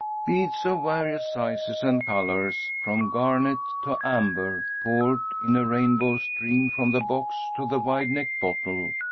Beads of various sizes and colors, from garnet to amber, poured in a rainbow stream from the box to the wide necked bottle.